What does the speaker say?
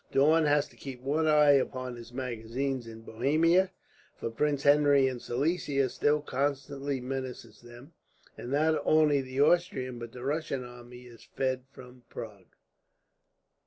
Daun has to keep one eye upon his magazines in Bohemia, for Prince Henry in Silesia still constantly menaces them, and not only the Austrian but the Russian army is fed from Prague.